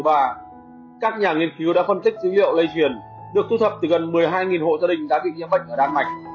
và các nhà nghiên cứu đã phân tích dữ liệu lây truyền được thu thập từ gần một mươi hai hộ gia đình đã bị nhiễm bệnh ở đan mạch